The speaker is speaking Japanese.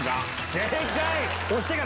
正解。